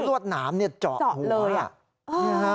รวดหนามเนี่ยเจาะหัวเจาะเลยอ่ะอ้อ